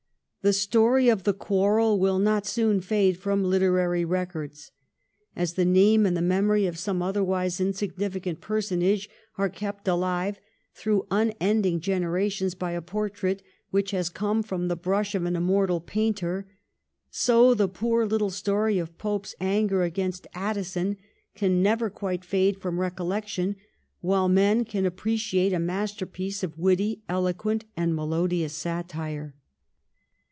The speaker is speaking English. The story of the quarrel will not soon fade from literary records. As the name and the memory of some otherwise insignificant personage are kept alive through unending generations by a portrait which has come from the brush of an immortal painter, so the poor little story of Pope's anger against Addison can never quite fade from recollection while men can appreciate a masterpiece of witty, eloquent, and melodious satire.